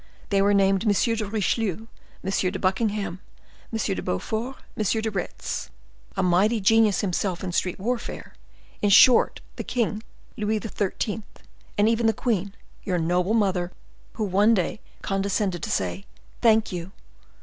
They were named M. de Richelieu, M. de Buckingham, M. de Beaufort, M. de Retz, a mighty genius himself in street warfare,—in short, the king, Louis XIII., and even the queen, your noble mother, who one day condescended to say, 'Thank you.